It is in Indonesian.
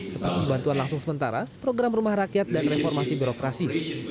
serta pembantuan langsung sementara program rumah rakyat dan reformasi birokrasi